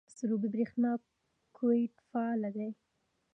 سروبي بریښنا کوټ فعال دی؟